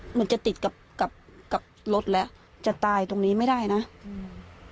เหมือนจะติดกับกับรถแล้วจะตายตรงนี้ไม่ได้นะอืม